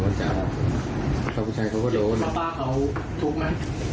ก็มีชื่อว่าสึกหน่อยกับคนที่เหล่า